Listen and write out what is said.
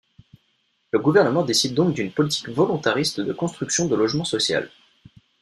Le gouvernement décide donc d'une politique volontariste de construction de logement social.